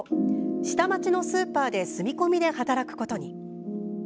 下町のスーパーで住み込みで働くことに。